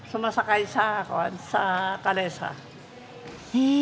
へえ。